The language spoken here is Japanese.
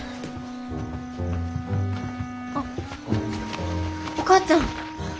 あっお母ちゃん。